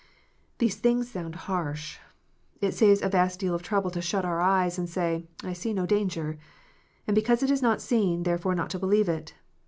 These things sound harsh. It saves a vast deal of trouble to shut our eyes, and say, " I see no danger," and because it is not seen, therefore not to believe it.